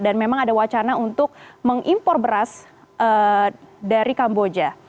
dan memang ada wacana untuk mengimpor beras dari kamboja